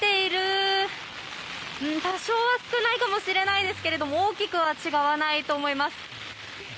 多少は少ないかもしれないんですが大きくは違わないと思います。